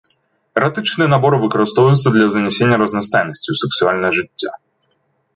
Эратычныя наборы выкарыстоўваюцца для занясення разнастайнасці ў сексуальнае жыццё.